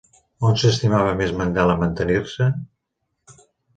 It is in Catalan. On s'estimava més Mandela mantenir-se?